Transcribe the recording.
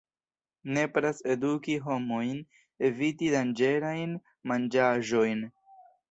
Nepras eduki homojn eviti danĝerajn manĝaĵojn.